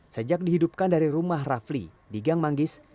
sejak dihidupkan dari rumah rafli di gang manggis